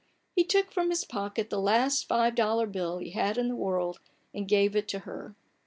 He took from his pocket the last five dollar bill he had in the world and gave it to her.